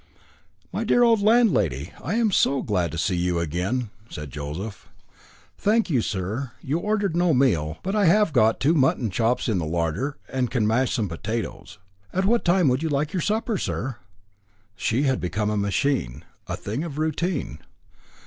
"My dear old landlady, I am so glad to see you again," said Joseph. "Thank you, sir. You ordered no meal, but I have got two mutton chops in the larder, and can mash some potatoes. At what time would you like your supper, sir?" She had become a machine, a thing of routine.